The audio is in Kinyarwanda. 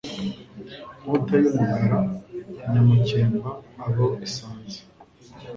Nkota y'umugara, nyamukemba abo isanze.